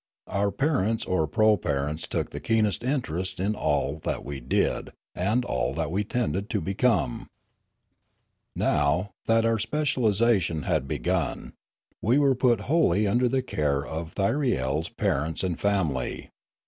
Our parents or proparents took the keenest interest in all that we did and all that we tended to become. Now, that our specialisation had begun, we were put wholly under the care of ThyriePs parents and family.